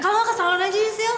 kalau enggak ke salon aja sisil